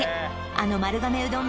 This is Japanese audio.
あの丸亀うどん